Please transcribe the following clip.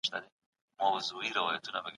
د تاریخ او ادب اړيکې ډېرې نږدې دي.